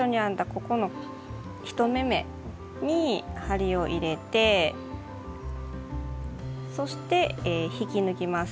ここの１目めに針を入れてそして引き抜きます。